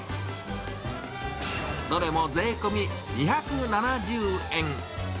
どれも税込み２７０円。